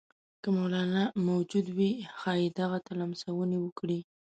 که مولنا موجود وي ښايي دغه ته لمسونې وکړي.